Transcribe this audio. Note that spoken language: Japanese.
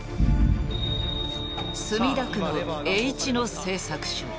墨田区のＨ野製作所。